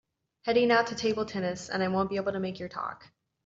Heading out to table tennis and I won’t be able to make your talk.